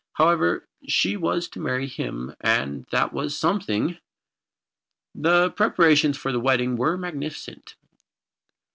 However, she was to marry him, and that was something. The preparations for the wedding were magnificent.